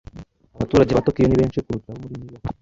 Abaturage ba Tokiyo ni benshi kuruta abo muri New York.